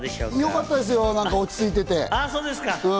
よかったですよ、落ち着いてて。